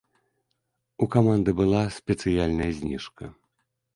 У каманды была спецыяльная зніжка.